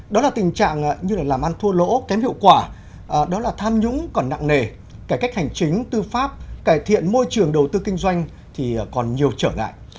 đó là tình trạng như là làm ăn thua lỗ kém hiệu quả đó là tham nhũng còn nặng nề cải cách hành chính tư pháp cải thiện môi trường đầu tư kinh doanh thì còn nhiều trở ngại